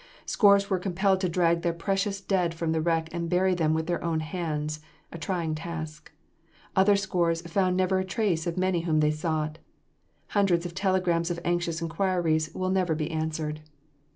Scores were compelled to drag their precious dead from the wreck and bury them with their own hands a trying task. Other scores found never a trace of many whom they sought. Hundreds of telegrams of anxious inquiries will never be answered.